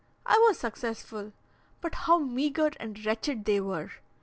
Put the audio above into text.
I was successful; but how meagre and wretched they were!